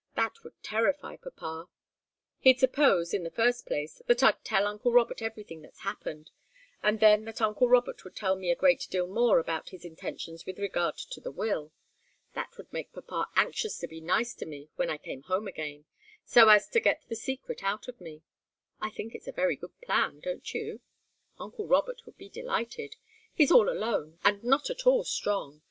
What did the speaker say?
That would terrify papa. He'd suppose, in the first place, that I'd tell uncle Robert everything that's happened, and then that uncle Robert would tell me a great deal more about his intentions with regard to the will. That would make papa anxious to be nice to me when I came home again, so as to get the secret out of me. I think it's a very good plan; don't you? Uncle Robert would be delighted. He's all alone and not at all strong.